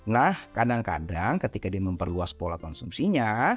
nah kadang kadang ketika dia memperluas pola konsumsinya